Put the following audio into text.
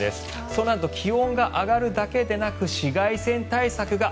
そのあと気温が上がるだけでなく紫外線対策が。